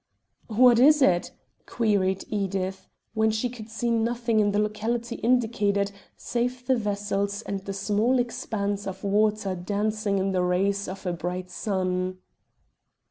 "What is it?" queried Edith, when she could see nothing in the locality indicated save the vessels and the small expanse of water dancing in the rays of a bright sun.